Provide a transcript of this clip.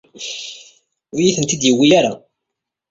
Ur iyi-tent-id yewwi ara.